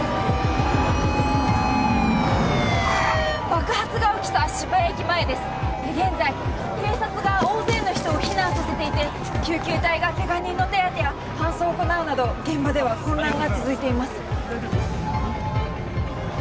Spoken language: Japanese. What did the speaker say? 爆発が起きた渋谷駅前です現在警察が大勢の人を避難させていて救急隊がケガ人の手当てや搬送を行うなど現場では混乱が続いています大丈夫？